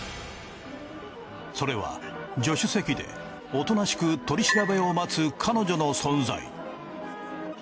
それは助手席でおとなしく取り調べを待つ彼女の存在。